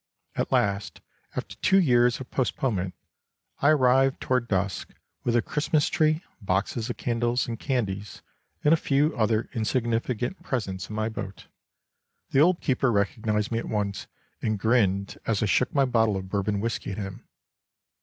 At last, after two years of postponement, I arrived toward dusk, with a Christ mas tree, boxes of candles, and candies, and a few other insignificant presents in my boat. The old keeper recognized me at once and grinned as I shook my bottle of Bourbon whiskey at him.